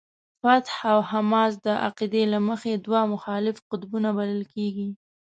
فتح او حماس د عقیدې له مخې دوه مخالف قطبونه بلل کېږي.